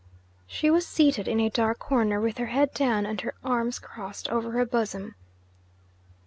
She was seated in a dark corner, with her head down and her arms crossed over her bosom.